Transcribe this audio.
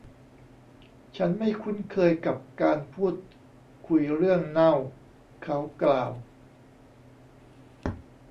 'ฉันไม่คุ้นเคยกับการพูดคุยเรื่องเน่า' เขากล่าว